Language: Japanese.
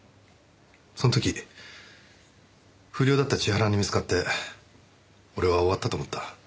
その時不良だった千原に見つかって俺は終わったと思った。